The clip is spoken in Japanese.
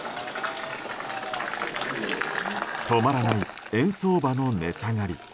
止まらない円相場の値下がり。